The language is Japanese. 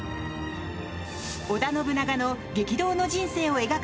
織田信長の激動の人生を描く